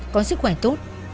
có sức khỏe tốt